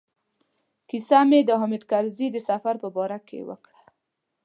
کیسه مې د حامد کرزي د سفر په باره کې وکړه.